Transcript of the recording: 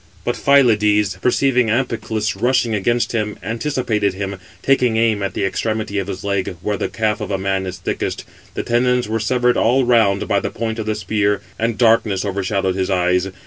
But Phylides, perceiving Amphiclus rushing against him, anticipated him, taking aim at the extremity of his leg, where the calf of a man is thickest; the tendons were severed all round 518 by the point of the spear, and darkness overshadowed his eyes.